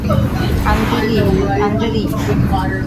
আঞ্জলি - আঞ্জলি।